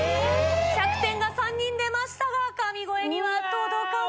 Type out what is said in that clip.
１００点が３人出ましたが神声には届かず。